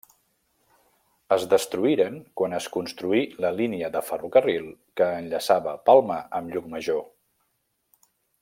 Es destruïren quan es construí la línia de ferrocarril que enllaçava Palma amb Llucmajor.